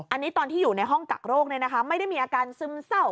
อันนี้ตอนที่อยู่ในห้องกักโรคไม่ได้มีอาการซึมเศร้า